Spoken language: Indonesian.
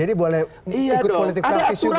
jadi boleh ikut politik praktis juga